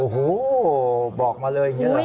โอ้โหบอกมาเลยอย่างนี้หรอ